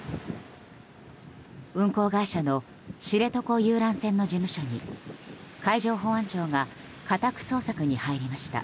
運航会社の知床遊覧船の事務所に海上保安庁が家宅捜索に入りました。